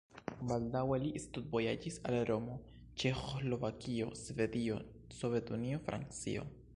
Baldaŭe li studvojaĝis al Romo, Ĉeĥoslovakio, Svedio, Sovetunio, Francio.